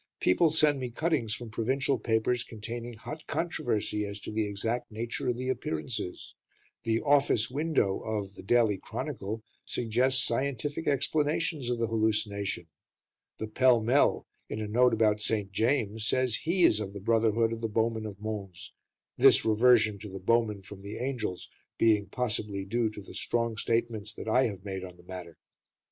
People send me cuttings from provincial papers containing hot controversy as to the exact nature of the appearances; the "Office Window" of The Daily Chronicle suggests scientific explanations of the hallucination; the Pall Mall in a note about St. James says he is of the brotherhood of the Bowmen of Mons this reversion to the bowmen from the angels being possibly due to the strong statements that I have made on the matter.